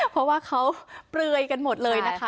เพราะว่าเขาเปลือยกันหมดเลยนะคะ